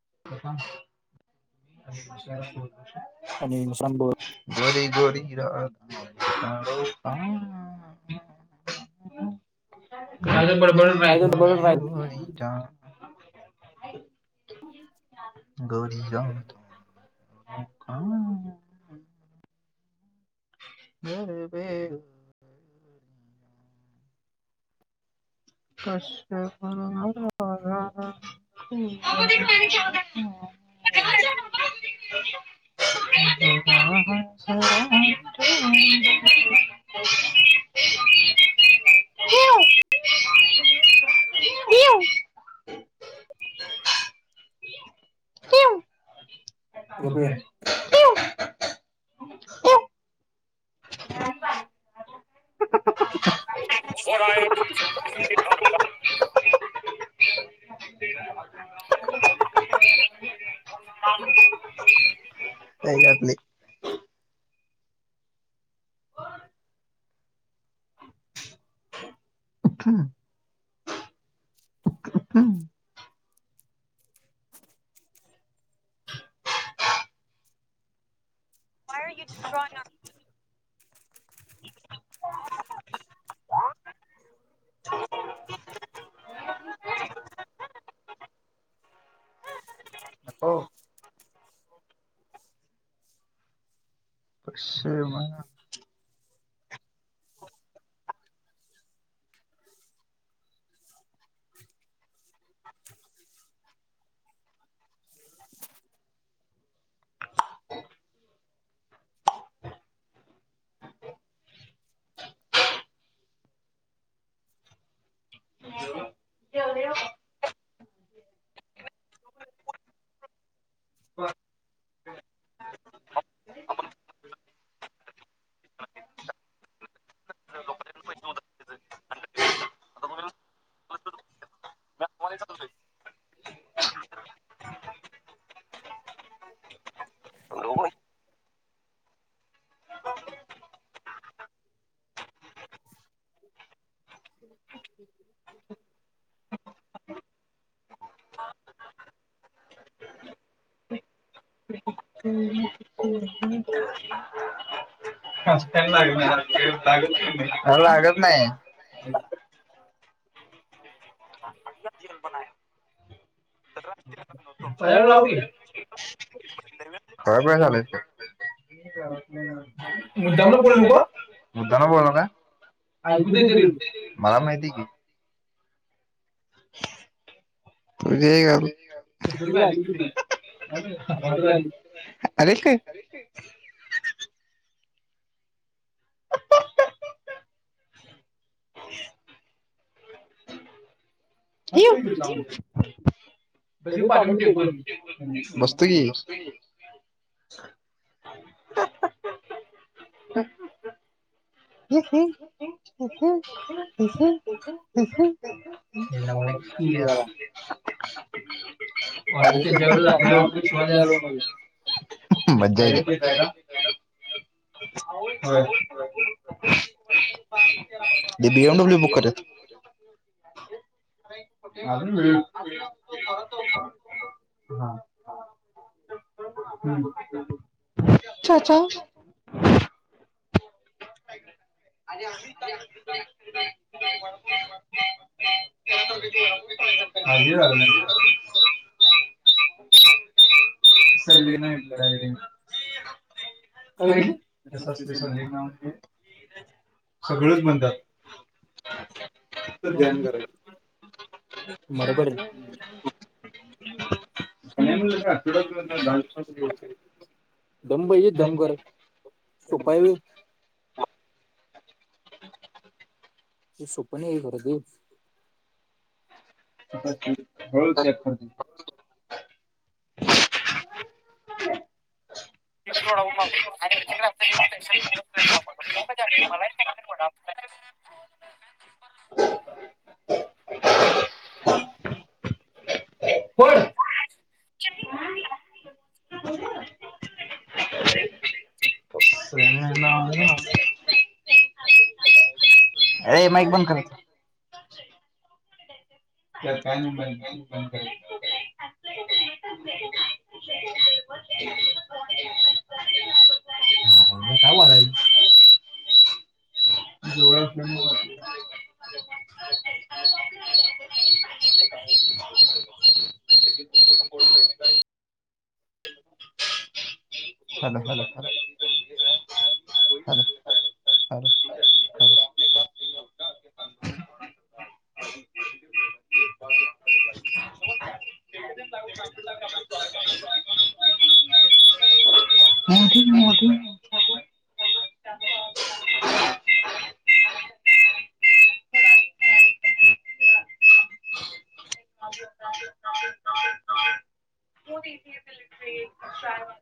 [unintelligible] [unintelligible] [unintelligible] [unintelligible] [inaudible] Gauri Radha new [unintelligible] गरबे, [unintelligible] कसे, [unintelligible] [unintelligible] [unintelligible] [unintelligible] [unintelligible] Q? झोपले? [unintelligible] [inaudible] [unintelligible] [inaudible] उठण. [unintelligible] [inaudible] [inaudible] [unintelligible] नको पैशे [unintelligible] जेवला जेवले बाबा. [unintelligible] [inaudible] [unintelligible] [unintelligible] लागत नाही. पप्पाला लाव की. खर बय [unintelligible] [unintelligible] मुद्दाहून बोलू नको अ मुद्दाऊन बोलू नको अ. ऐकू दे ते रील मला माहितीये की. [unintelligible] [unintelligible] ऑर्डर आली आलीक काय? [unintelligible] [unintelligible] बसतो की, [unintelligible] [unintelligible] [unintelligible] [unintelligible] [unintelligible] मजा येईली. [unintelligible] बी. एम. डब्ल्यू. बुक करत. अ ह [unintelligible] चा [unintelligible] आणि अ का [unintelligible] हज लाग [unintelligible] सर नायर [unintelligible] का का [unintelligible] सगळच म्हणतात. [unintelligible] आणि त आड दहा दिवसा [unintelligible] दमबाई दम करपाय. ते सवपन आहे खर देव [unintelligible] होळूच [unintelligible] [unintelligible] [unintelligible] [unintelligible] होर हम् [unintelligible] अे माईक बण करच करता बंद का ब कर [unintelligible] हा काव आहे. हम [unintelligible] हल हल खर..... [unintelligible] हो ठीक म ठी [unintelligible]